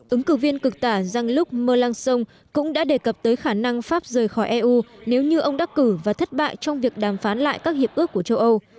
ứng cử viên cực tả jean luc melenchon cũng đã đề cập tới khả năng pháp rời khỏi eu nếu như ông đắc cử và thất bại trong việc đàm phán lại các hiệp ước của châu âu